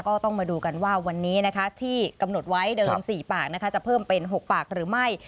ก็ต้องมาดูกันว่าวันนี้ที่กำหนดไว้เดิม๔ปากจะเพิ่มเป็น๖ปากหรือไม่